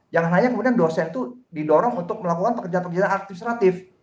jangan hanya kemudian dosen itu didorong untuk melakukan pekerjaan pekerjaan administratif